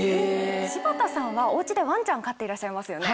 柴田さんはお家でワンちゃん飼っていらっしゃいますよね。